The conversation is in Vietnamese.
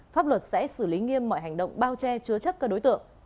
pháp luật sẽ xử lý nghiêm mọi hành động bao che chứa chấp các đối tượng